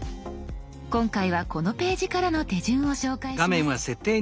今回はこのページからの手順を紹介します。